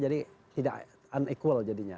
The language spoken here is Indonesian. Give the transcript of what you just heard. jadi tidak unequal jadinya